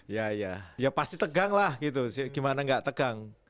ya ya pasti tegang lah gitu gimana gak tegang